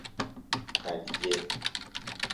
قلیه